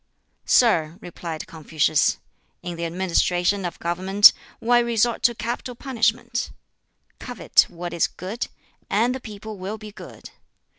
"Sir," replied Confucius, "in the administration of government why resort to capital punishment? Covet what is good, and the people will be good.